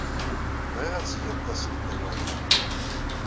Bɣiɣ ad tgeḍ tasleṭ i waya.